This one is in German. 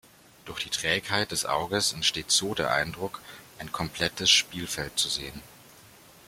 Durch die Trägheit des Auges entsteht so der Eindruck ein komplettes Spielfeld zu sehen.